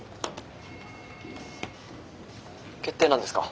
決定なんですか？